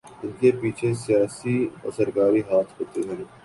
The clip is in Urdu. انکے پیچھے سیاسی و سرکاری ہاتھ ہوتے ہیں